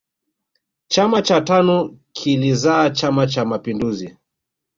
chama cha tanu kilizaa chama cha mapinduzi